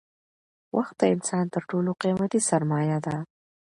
وخت د انسان تر ټولو قیمتي سرمایه ده